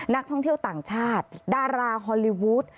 นักท่องเที่ยวต่างชาติดาราฮอลลีวูด